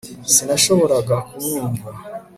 Sinashoboraga kumwumva